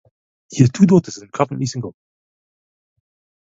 He has two daughters and currently single.